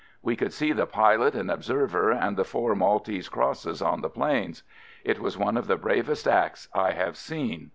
We could see the pilot and observer and the four Maltese crosses on the planes. It was one of the bravest acts I have seen.